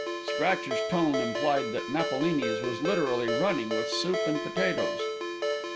Scratcher's tone implied that Napolini's was literally running with soup and potatoes.